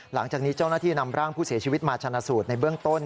หลังจากนี้เจ้าหน้าที่นำร่างผู้เสียชีวิตมาชนะสูตรในเบื้องต้น